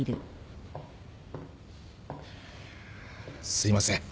すいません。